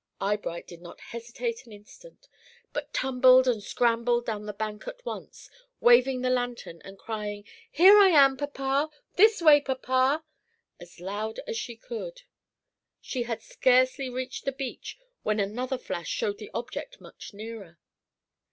Eyebright did not hesitate an instant, but tumbled and scrambled down the bank at once, waving the lantern, and crying, "Here I am, papa! this way, papa!" as loud as she could. She had scarcely reached the beach, when another flash showed the object much nearer.